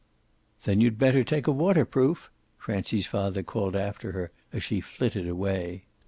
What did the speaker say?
"Then you'd better take a waterproof!" Francie's father called after her as she flitted away.